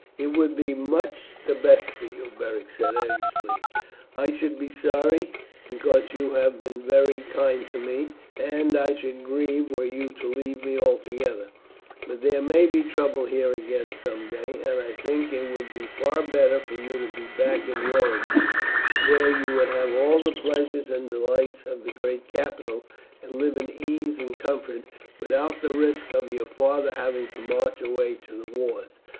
"It would be much the best for you," Beric said earnestly. "I should be sorry, because you have been very kind to me, and I should grieve were you to leave me altogether; but there may be trouble here again some day, and I think it would be far better for you to be back in Rome, where you would have all the pleasures and delights of the great capital, and live in ease and comfort, without the risk of your father having to march away to the wars.